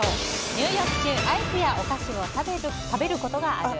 入浴中アイスやお菓子を食べることがある？